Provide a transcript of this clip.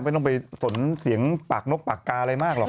ไม่ต้องไปสนเสียงปากนกปากกาอะไรมากหรอก